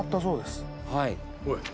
はい。